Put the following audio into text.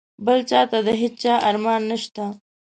بل خواته د هیچا امان نشته.